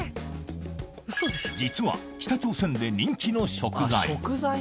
実は、北朝鮮で人気の食材。